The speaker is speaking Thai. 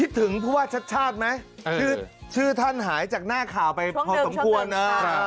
ถึงผู้ว่าชัดชาติไหมชื่อท่านหายจากหน้าข่าวไปพอสมควรนะ